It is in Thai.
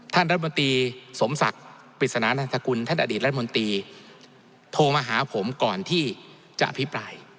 ท่านรัฐมนตรีสมศักดิ์ปริศนานันทกุลท่านอดีตรัฐมนตรีโทรมาหาผมก่อนที่จะอภิปราย